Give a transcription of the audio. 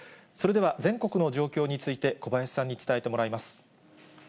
それでは全国の状況について、小林さんに伝えてもらいます。